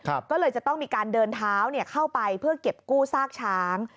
ก็เลยจะต้องมีการเดินเท้าเนี่ยเข้าไปเพื่อเก็บกู้ซากช้าง